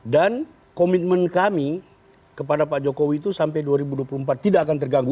dan komitmen kami kepada pak jokowi itu sampai dua ribu dua puluh empat tidak akan terganggu